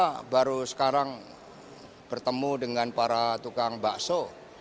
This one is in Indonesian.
karena baru sekarang bertemu dengan para tukang bakso